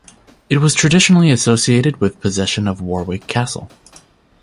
It was traditionally associated with possession of Warwick Castle.